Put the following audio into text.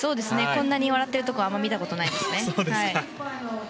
こんなに笑っているところあんまり見たことがないですね。